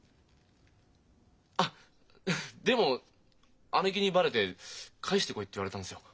あっでも姉貴にバレて返してこいって言われたんですよ。